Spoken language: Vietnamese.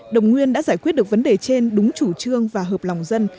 đồng nguyên đã giải quyết được vấn đề trên đúng chủ trương và hợp lòng dân